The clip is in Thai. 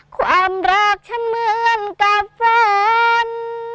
ความรักฉันเหมือนกับฝัน